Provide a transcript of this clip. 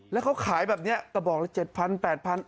แล้วเขาขายแบบนี้กระบอกละ๗๐๐๘๐๐บาท